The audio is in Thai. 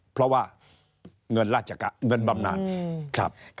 เพราะว่าเงินราชกะเงินบำนาน